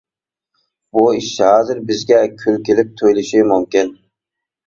بۇ ئىش ھازىر بىزگە كۈلكىلىك تۇيۇلۇشى مۇمكىن.